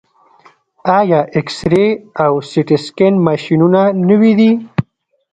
آیا اکسرې او سټي سکن ماشینونه نوي دي؟